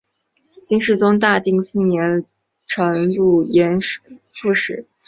金世宗大定四年辰渌盐副使。